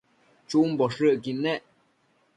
chumboshëcquid nec